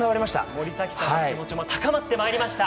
森崎さんの気持ちも高まってまいりました。